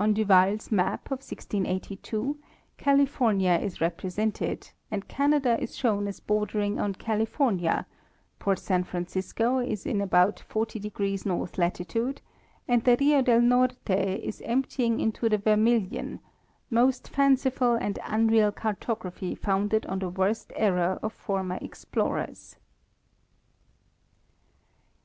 On Duval's map of 1682, California is represented, and Canada is shown as bordering on California, port San Francisco is in about 40° north latitude, and the Rio del Norte is empty ing into the Vermillion—most fanciful and unreal cartography founded on the worst errors of former explorers.